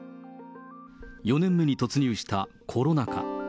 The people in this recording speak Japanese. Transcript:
４年目に突入したコロナ禍。